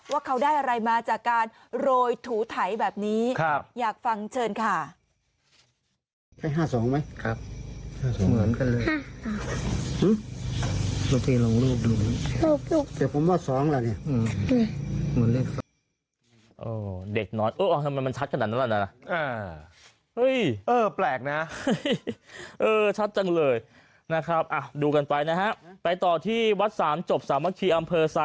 วันนี้ยี่สิบเก้า